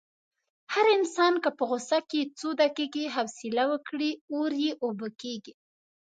هر انسان که په غوسه کې څو دقیقې حوصله وکړي، اور یې اوبه کېږي.